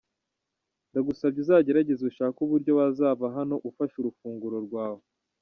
Ndagusabye uzagerageze ushake uburyo wazava hano ufashe urufunguro rwawe.